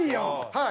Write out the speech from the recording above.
はい。